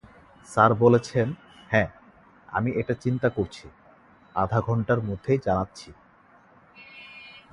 Sir বলেছেন, হ্যাঁ, আমি এটা চিন্তা করছি, আধা ঘণ্টার মধ্যেই জানাচ্ছি।